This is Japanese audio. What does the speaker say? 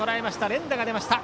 連打が出ました。